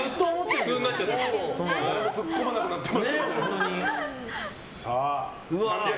我々ツッコまなくなってますけど。